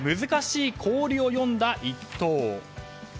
難しい氷を読んだ一投。